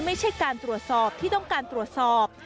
ไม่ใช่การตรวจสอบที่ต้องการตรวจสอบ